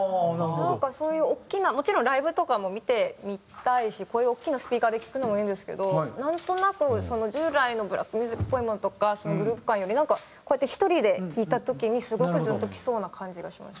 なんかそういう大きなもちろんライブとかも見てみたいしこういう大きなスピーカーで聴くのもいいんですけどなんとなく従来のブラックミュージックっぽいものとかそのグルーヴ感よりなんかこうやって１人で聴いた時にすごくズンときそうな感じがしました。